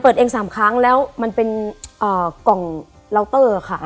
เอง๓ครั้งแล้วมันเป็นกล่องเลาเตอร์ค่ะ